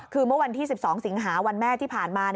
คือเมื่อวันที่๑๒สิงหาวันแม่ที่ผ่านมา